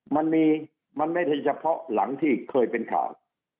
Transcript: มันมีมันไม่ใช่เฉพาะหลังที่เคยเป็นข่าว